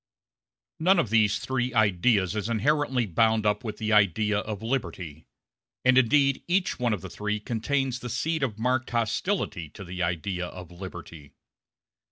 None of these three ideas is inherently bound up with the idea of liberty; and indeed each one of the three contains the seed of marked hostility to the idea of liberty.